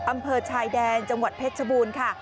อำเภอชายแดนจังหวัดเพชรชบูรณ์ค่ะ